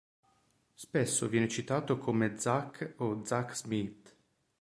Spesso viene citato come Zach o Zack Smith.